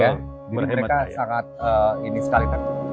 jadi mereka sangat ini sekali